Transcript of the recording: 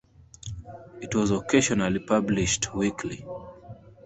It was occasionally published weekly.